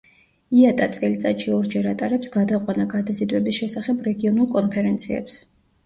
იატა წელიწადში ორჯერ ატარებს გადაყვანა-გადაზიდვების შესახებ რეგიონულ კონფერენციებს.